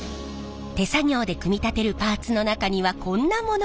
手作業で組み立てるパーツの中にはこんなものも。